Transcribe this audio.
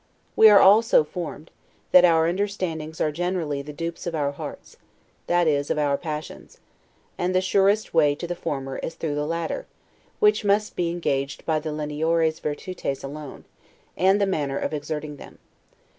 We are all so formed, that our understandings are generally the DUPES of our hearts, that is, of our passions; and the surest way to the former is through the latter, which must be engaged by the 'leniores virtutes' alone, and the manner of exerting them.